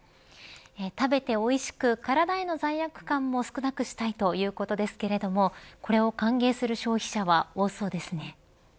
食べておいしく体への罪悪感も少なくしたいということですけれどもこれを歓迎する消費者はそうですね。